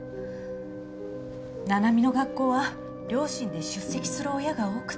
七海の学校は両親で出席する親が多くて。